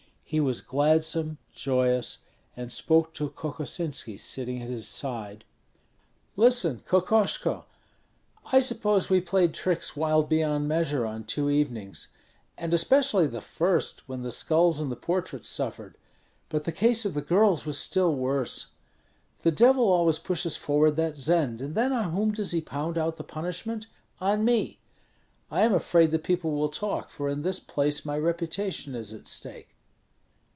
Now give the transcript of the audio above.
He was gladsome, joyous, and spoke to Kokosinski sitting at his side, "Listen, Kokoshko! I suppose we played tricks wild beyond measure on two evenings, and especially the first, when the skulls and the portraits suffered. But the case of the girls was still worse. The Devil always pushes forward that Zend, and then on whom does he pound out the punishment? On me. I am afraid that people will talk, for in this place my reputation is at stake."